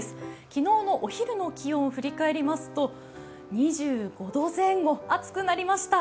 昨日のお昼の気温を振り返りますと２５度前後、暑くなりました。